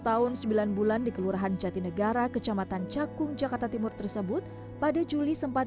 tahun sembilan bulan di kelurahan jatinegara kecamatan cakung jakarta timur tersebut pada juli sempat